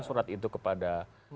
surat itu kepada